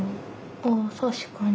あ確かに。